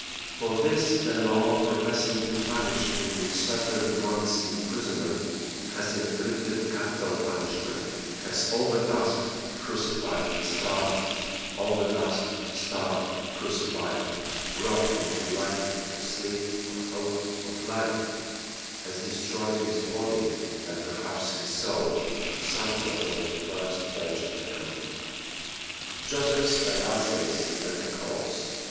For this the law, professing to punish him with certain months' imprisonment, has inflicted capital punishment; has overtasked, crucified, starved overtasked, starved, crucified robbed him of light, of sleep, of hope, of life; has destroyed his body, and perhaps his soul. Sum total 1st page of account Josephs a larcenist and a corpse.